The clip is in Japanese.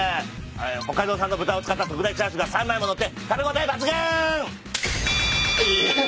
北海道産の豚を使った特大チャーシューが３枚も載って食べ応え抜群！